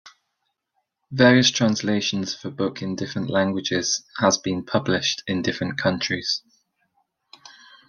Various translations of the book in different languages has been published in different countries.